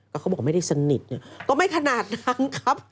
ก็เขาบอกไม่ได้สนิทก็ไม่ขนาดนั้นครับ